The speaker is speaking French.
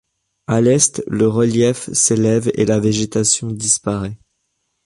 À l'est, le relief s'élève et la végétation disparaît.